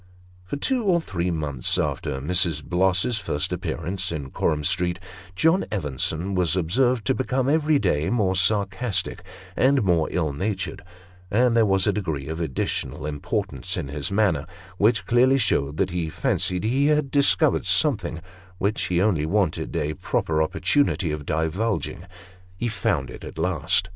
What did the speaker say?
For two or three months after Mrs. Bloss's first appearance in Coram Street, John Evenson was observed to become, every day, more sarcastic and more ill natured ; and there was a degree of additional importance in his manner, which clearly showed that he fancied he had discovered something, which he only wanted a proper opportunity of divulging. He found it at last.